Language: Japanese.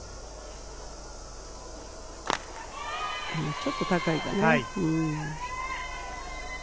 ちょっと高いかな。